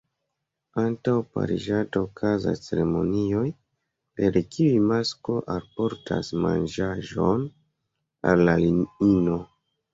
Antaŭ pariĝado okazas ceremonioj per kiuj masklo alportas manĝaĵon al la ino.